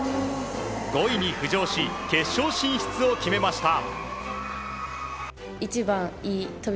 ５位に浮上し決勝進出を決めました。